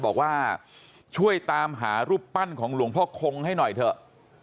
บอกว่าช่วยตามหารูปปั้นของหลวงพ่อคงให้หน่อยเถอะ